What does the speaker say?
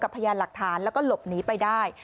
พยานหลักฐานแล้วก็หลบหนีไปได้